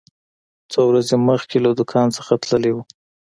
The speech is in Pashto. هغه څو ورځې مخکې له دکان څخه تللی و.